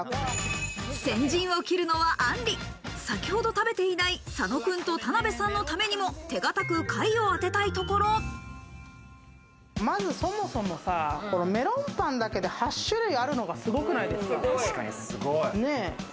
先陣を切るのはあんり、先ほど食べていない佐野くんと田辺さんのためにも手堅く下位を当そもそもメロンパンだけで８種類あるのがすごくないですか？